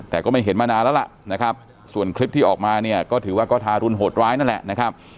แต่ก็ไม่เห็นมานานแล้วล่ะนะครับส่วนคลิปที่ออกมาเนี่ยก็ถือว่าก็ทารุณโหดร้ายนั่นแหละนะครับ